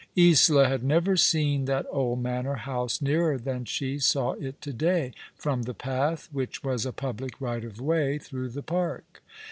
Isola had never seen that old Manor House nearer than she saw it to day, from the path, which was a public right of way through the park.